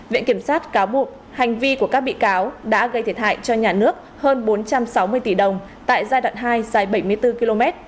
viện kiểm sát cáo buộc hành vi của các bị cáo đã gây thiệt hại cho nhà nước hơn bốn trăm sáu mươi tỷ đồng tại giai đoạn hai dài bảy mươi bốn km